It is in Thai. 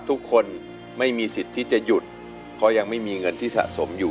ทุกคนไม่มีสิทธิ์ที่จะหยุดเพราะยังไม่มีเงินที่สะสมอยู่